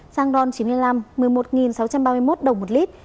xăng ron chín mươi năm một mươi một sáu trăm ba mươi một đồng một lít